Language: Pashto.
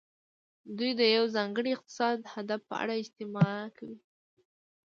دوی د یو ځانګړي اقتصادي هدف په اړه اجماع کوي